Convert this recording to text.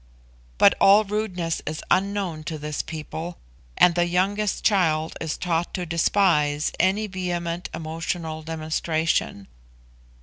But all rudeness is unknown to this people, and the youngest child is taught to despise any vehement emotional demonstration.